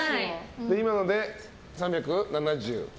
今ので３７０。